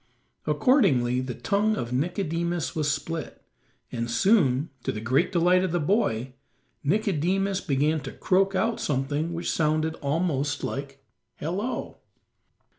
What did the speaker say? Accordingly the tongue of Nicodemus was split, and soon, to the great delight of the boy, Nicodemus began to croak out something which sounded almost like "Hello."